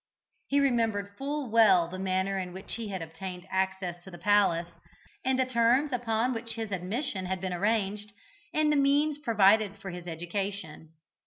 He remembered full well the manner in which he had obtained access to the palace, and the terms upon which his admission had been arranged, and the means provided for his education.